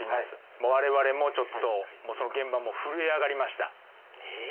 もう我々もちょっとその現場も震え上がりましたええっ！？